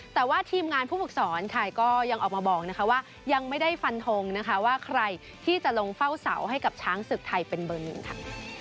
แต่ว่าทีมงานผู้ฝึกสอนค่ะก็ยังออกมาบอกนะคะว่ายังไม่ได้ฟันทงนะคะว่าใครที่จะลงเฝ้าเสาให้กับช้างศึกไทยเป็นเบอร์หนึ่งค่ะ